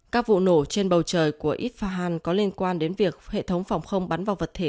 các vụ nổ trên bầu trời của idfahan có liên quan đến việc hệ thống phòng không bắn vào vật thể